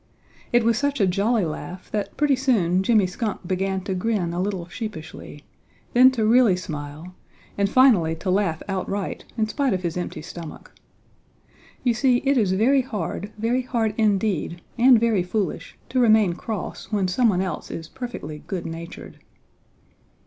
It was such a jolly laugh that pretty soon Jimmy Skunk began to grin a little sheepishly, then to really smile and finally to laugh outright in spite of his empty stomach. You see it is very hard, very hard indeed and very foolish, to remain cross when someone else is perfectly good natured.